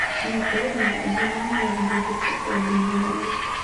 Напэўна, зіма ў нас будзе сапраўды зіма.